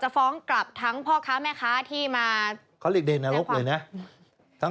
ฟ้องกลับทั้งพ่อค้าแม่ค้าที่มาเขาเรียกเด่นนรกเลยนะ